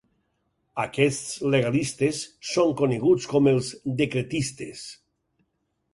Aquests legalistes són coneguts com els decretistes.